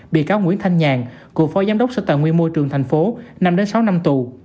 bị cáo nguyễn thanh nhàn cựu phó giám đốc sở tài nguyên môi trường thành phố năm sáu năm tù